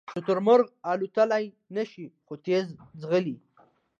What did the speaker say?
شترمرغ الوتلی نشي خو تېز ځغلي